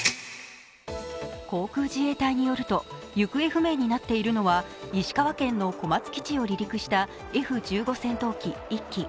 航空自衛隊によると行方不明になっているのは石川県の小松基地を離陸したＦ１５戦闘機１機。